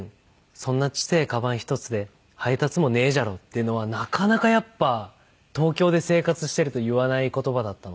「そんなちせえかばん１つで配達もねえじゃろ」っていうのはなかなかやっぱ東京で生活してると言わない言葉だったので。